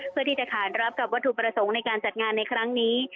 เพื่อที่จะขานรับกับวัตถุประสงค์ในการจัดงานในครั้งนี้